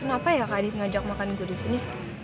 kenapa ya kak adit ngajak makan gue disini